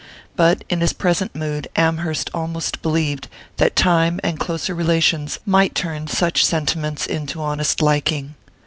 But in his present mood Amherst almost believed that time and closer relations might turn such sentiments into honest liking.